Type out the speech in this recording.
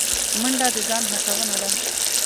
منډه د ځان هڅونه ده